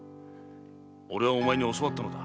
俺はお前に教わったのだ。